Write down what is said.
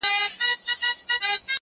شکر دی گراني چي زما له خاندانه نه يې،